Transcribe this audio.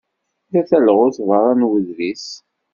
Tella talɣut beṛṛa n wuḍris.